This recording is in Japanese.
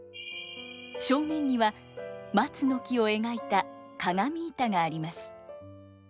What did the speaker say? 正面には松の木を描いた鏡板があります。